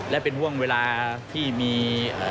และเป็นห่วงเวลาที่มี